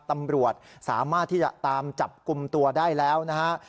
ตำรวจสามารถที่จะตามจับกลุ่มตัวได้แล้วนะฮะ